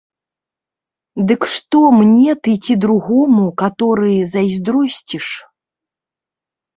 Дык што мне ты ці другому, каторы, зайздросціш?